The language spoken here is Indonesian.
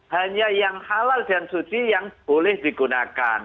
hanya yang halal dan suci yang boleh digunakan